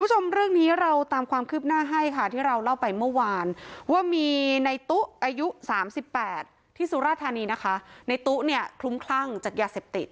คุณผู้ชมเรื่องนี้เราตามความคืบหน้าให้ค่ะที่เราเล่าไปเมื่อวานว่ามีในตู้อายุสามสิบแปดที่สุราธานีนะคะในตู้เนี่ยคลุ้มคลั่งจากยาเสพติด